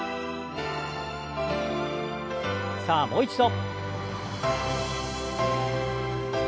さあもう一度。